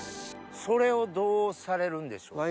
それをどうされるんでしょうか？